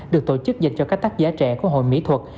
được tổ chức dành cho các tác giả trẻ của hội mỹ thuật